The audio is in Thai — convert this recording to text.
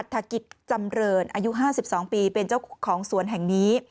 กิจจำเรินอายุ๕๒ปีเป็นเจ้าของสวนแห่งนี้